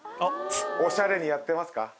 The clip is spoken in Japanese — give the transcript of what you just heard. おしゃれにやってますか？